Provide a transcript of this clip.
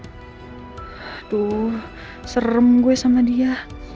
aduh serem gue sama dia